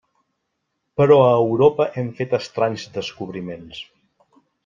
Però a Europa hem fet estranys descobriments.